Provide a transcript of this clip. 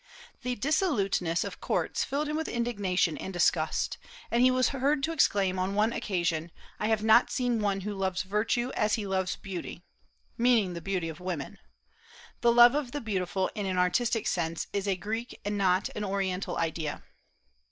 The dissoluteness of courts filled him with indignation and disgust; and he was heard to exclaim on one occasion, "I have not seen one who loves virtue as he loves beauty," meaning the beauty of women. The love of the beautiful, in an artistic sense, is a Greek and not an Oriental idea.